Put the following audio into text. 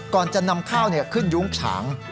ก่อนจะนำข้าวขึ้นยุ้งฉาง